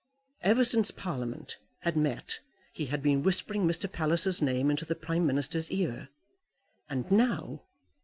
Ever since Parliament had met he had been whispering Mr. Palliser's name into the Prime Minister's ear, and now